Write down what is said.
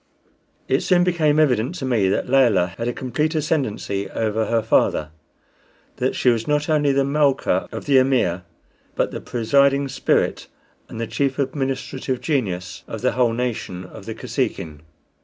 It soon became evident to me that Layelah had a complete ascendancy over her father; that she was not only the Malca of the amir, but the presiding spirit and the chief administrative genius of the whole nation of the Kosekin.